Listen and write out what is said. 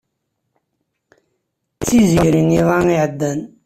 D tiziri iḍ-a iɛeddan.